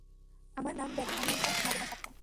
আমার নাম ব্যারি এবং আমি একজন মাদকাসক্ত।